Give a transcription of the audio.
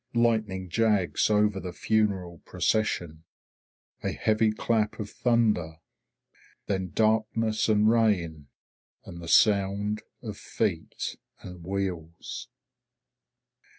Lightning jags over the funeral procession. A heavy clap of thunder. Then darkness and rain, and the sound of feet and wheels.